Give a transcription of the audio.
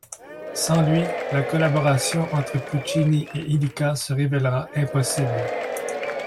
Sans lui, la collaboration entre Puccini et Illica se révèlera impossible.